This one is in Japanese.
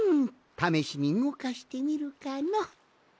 ためしにうごかしてみるかのう。